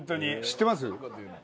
知ってます？